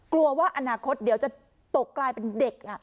กลัวว่าอนาคตเดี๋ยวจะตกกลายเป็นเด็ก